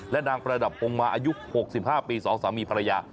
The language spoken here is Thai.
และนางประดับองค์มาอายุ๖๕ปี๒สามีภรรยา